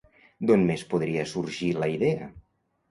D'on més podria sorgir la idea?